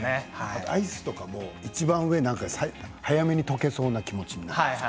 アイスとか、いちばん上早めに溶けそうな気持ちになるんです。